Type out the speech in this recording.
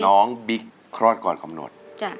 น้องบิ๊กคลอดก่อนกำหนด